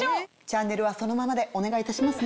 チャンネルはそのままでお願いいたしますね。